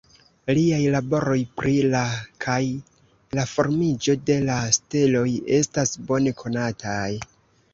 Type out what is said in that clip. Liaj laboroj pri la kaj la formiĝo de la steloj estas bone konataj.